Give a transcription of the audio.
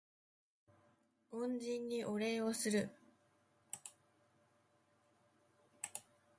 恩人にお礼をする